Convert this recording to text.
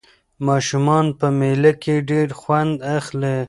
ماشومان په مېله کې ډېر خوند اخلي.